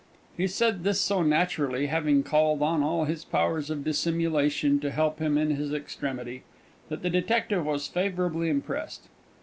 He said this so naturally, having called in all his powers of dissimulation to help him in his extremity, that the detective was favourably impressed.